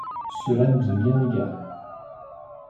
Cela nous est bien égal.